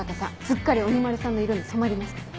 すっかり鬼丸さんの色に染まりましたね。